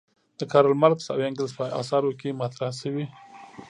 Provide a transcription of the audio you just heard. د کارل مارکس او انګلز په اثارو کې مطرح شوې.